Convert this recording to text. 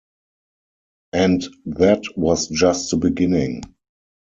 And that was just the beginning.